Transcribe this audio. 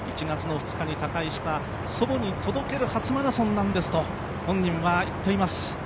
１月２日に他界した祖母に届ける初マラソンなんですと本人は言っています。